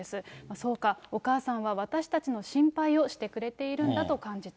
そうか、お母さんは私たちの心配をしてくれているんだと感じた。